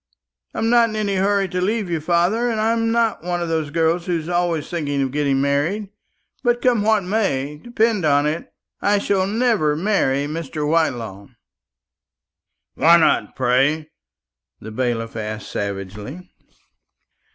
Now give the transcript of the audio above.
I am not in any hurry to leave you, father, and I'm not one of those girls who are always thinking of getting married; but come what may, depend upon it, I shall never marry Mr. Whitelaw." "Why not, pray?" the bailiff asked savagely.